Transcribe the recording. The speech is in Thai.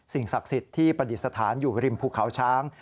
สิ่งศักดิ์สิทธิ์ที่ปฏิสถานอยู่ริมภูเขาช้าง